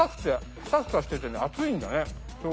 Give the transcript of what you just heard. ふかふかしててね厚いんだね。